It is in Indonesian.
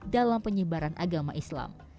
dalam penyebaran agama islam